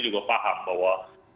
juga paham bahwa